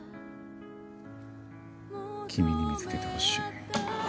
君に見つけてほしい。